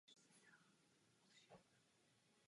Nyní žije v Moskvě.